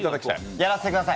やらせてください。